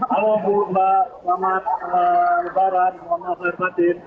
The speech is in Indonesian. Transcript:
alamu'l a'laikum selamat berjalan mohon maaf lahir batin